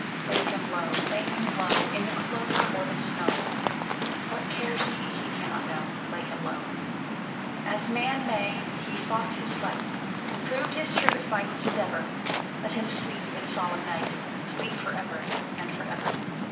Lay him low, lay him low, In the clover or the snow! What cares he? he cannot know: Lay him low! As man may, he fought his fight, Proved his truth by his endeavor; Let him sleep in solemn night, Sleep forever and forever.